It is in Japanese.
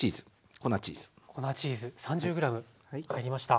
粉チーズ３０ｇ入りました。